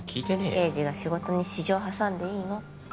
刑事が仕事に私情挟んでいいの？